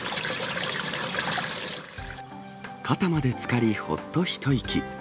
肩までつかりほっと一息。